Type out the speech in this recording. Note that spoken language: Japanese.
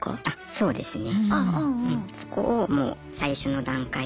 そうですね。